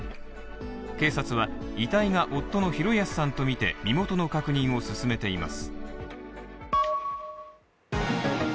警察は遺体が夫の浩靖さんとみて身元の確認を進めています。